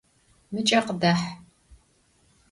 Mıç'e khıdah!